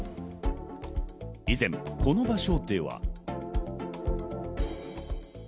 以前この場所では。